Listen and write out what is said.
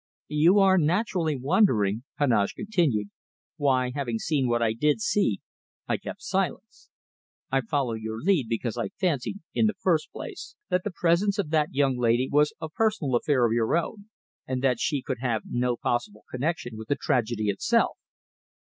"You are naturally wondering," Heneage continued, "why, having seen what I did see, I kept silence. I followed your lead, because I fancied, in the first place, that the presence of that young lady was a personal affair of your own, and that she could have no possible connection with the tragedy itself.